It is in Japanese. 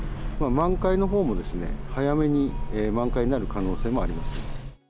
満開のほうもですね、早めに満開になる可能性もあります。